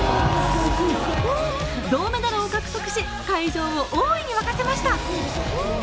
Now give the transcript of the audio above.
銅メダルを獲得し、会場を大いに沸かせました。